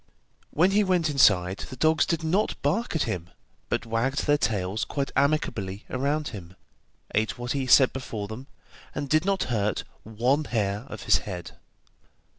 When he went inside, the dogs did not bark at him, but wagged their tails quite amicably around him, ate what he set before them, and did not hurt one hair of his head.